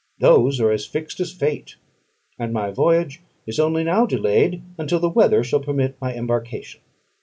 Those are as fixed as fate; and my voyage is only now delayed until the weather shall permit my embarkation.